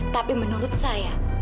tapi menurut saya